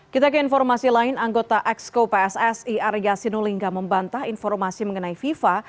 kita ke informasi lain anggota exco pssi arya sinulinga membantah informasi mengenai fifa